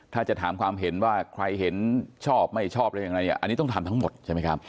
ถ้าจะถามความเห็นว่าใครเห็นชอบไม่ชอบอะไรอย่างไรเนี่ยอันนี้ต้องทำทั้งหมดใช่ไหมครับ